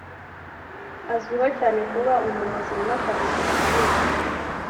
Azwiho cyane kuba umuyobozi wimakaza isuku muri uyu mujyi